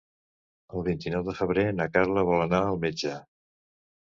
El vint-i-nou de febrer na Carla vol anar al metge.